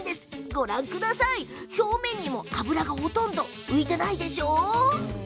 ご覧ください、表面には脂がほとんど浮いていないんです。